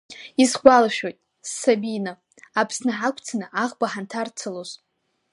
Исгәалашәон, ссабины, Аԥсны ҳақәцаны, аӷба ҳанҭарцалоз…